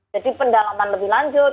jadi pendalaman lebih lanjut